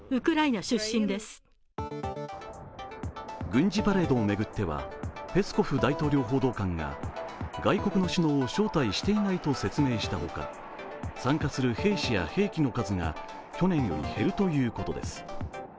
軍事パレードを巡ってはペスコフ大統領報道官が外国の首脳を招待していないと説明したほか参加する兵士や兵器の数が去年より減るということです。